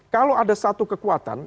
kalau ada satu kekuatan